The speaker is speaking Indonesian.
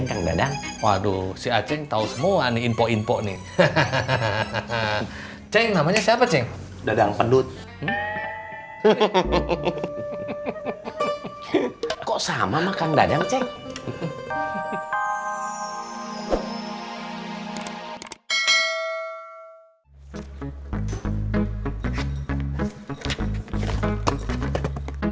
kok sama makan dadang cek